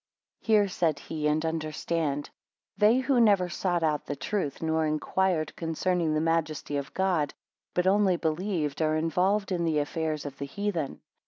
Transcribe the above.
Hear, said he, and understand. They who never sought out the truth, nor inquired concerning the majesty of God, but only believed, are involved in the affairs of the heathen.